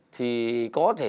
thì có thể